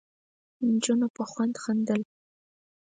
نجونو په خوند خندل.